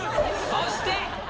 そして。